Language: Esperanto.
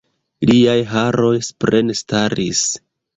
Liaj haroj suprenstaris.